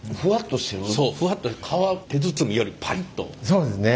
そうですね。